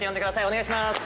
お願いします。